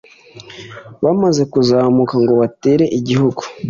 bamaze kuzamuka ngo batere igihugu